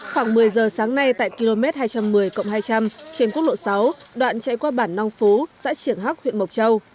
khoảng một mươi giờ sáng nay tại km hai trăm một mươi hai trăm linh trên quốc lộ sáu đoạn chạy qua bản nong phú xã triển hắc huyện mộc châu